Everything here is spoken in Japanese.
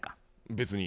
別に。